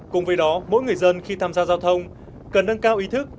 cùng với đó mỗi người dân khi tham gia giao thông cần nâng cao ý thức